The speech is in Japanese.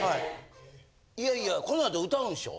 いやいやこのあと歌うんでしょ？